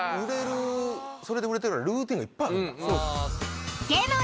それで売れてるルーティンがいっぱいあるんだ。